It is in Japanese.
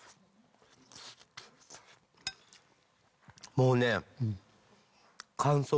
もうね。